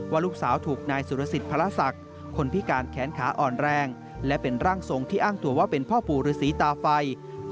ว่าลูกสาวถูกนายสุรสิทธิ์พระละศักดิ์